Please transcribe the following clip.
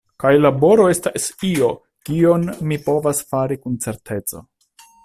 Kaj laboro estas io, kion mi povas fari kun certeco.